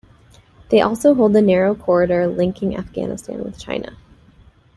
They also hold the narrow corridor linking Afghanistan with China.